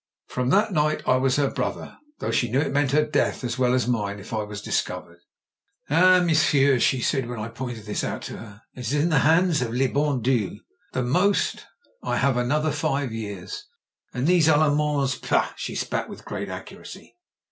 From that night I was her brother, though she knew it meant her death as well as mine if I was discovered. " 'Ah, monsieur,' she said, when I pointed this out to her, 'it is in the hands of le bon Dieu. At the most I have another five years, and these AUemands — ^pah !' She spat with great accuracy.